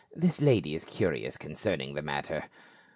"This lady is curious concerning the matter."